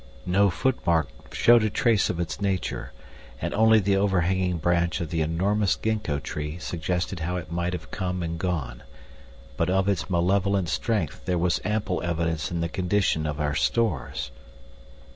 No foot mark showed a trace of its nature, and only the overhanging branch of the enormous ginko tree suggested how it might have come and gone; but of its malevolent strength there was ample evidence in the condition of our stores.